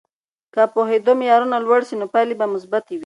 که د پوهیدو معیارونه لوړ سي، نو پایلې به مثبتې وي.